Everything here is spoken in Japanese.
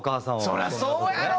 そりゃそうやろ！